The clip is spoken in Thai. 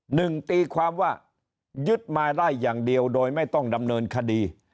หนึ่งตีความว่ายึดมาได้อย่างเดียวโดยไม่ต้องดำเนินคดี